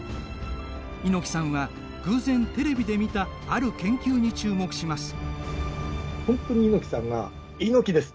猪木さんは、偶然テレビで見たある研究に注目します。